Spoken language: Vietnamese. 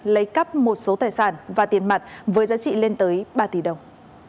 lấy cắp một số tài sản và tiền mặt với giá trị lên tới ba tỷ đồng